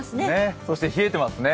そして冷えてますね。